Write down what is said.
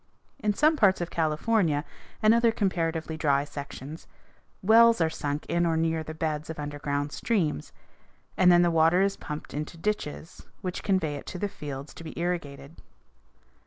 In some parts of California and other comparatively dry sections, wells are sunk in or near the beds of underground streams, and then the water is pumped into ditches which convey it to the fields to be irrigated.